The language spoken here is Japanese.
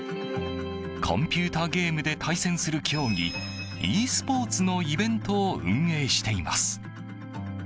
コンピューターゲームで対戦する競技ｅスポーツのイベントを運営しています。